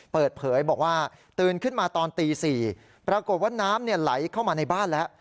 เปิดเผยบอกว่าตื่นขึ้นมาตอนตี๔ปรากฏว่าน้ำไหลเข้ามาในบ้านแล้ว